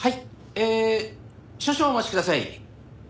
えー少々お待ちください。